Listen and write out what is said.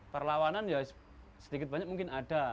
perlawanan ya sedikit banyak mungkin ada